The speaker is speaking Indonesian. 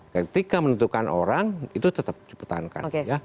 ketika menentukan orang itu tetap dipertahankan